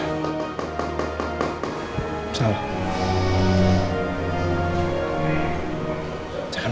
tapi kalau dia memiliki kontak suaracling